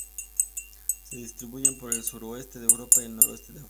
Se distribuyen por el suroeste de Europa y el noroeste de África.